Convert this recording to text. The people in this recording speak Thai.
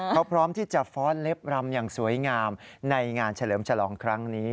เขาพร้อมที่จะฟ้อนเล็บรำอย่างสวยงามในงานเฉลิมฉลองครั้งนี้